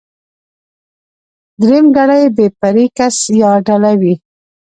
درېمګړی بې پرې کس يا ډله وي.